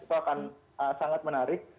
itu akan sangat menarik